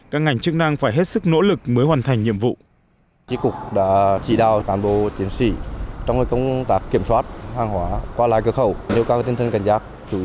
các ngành chức năng phải hết sức nỗ lực mới hoàn thành nhiệm vụ